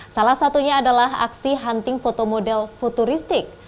salah satunya adalah aksi hunting foto model futuristik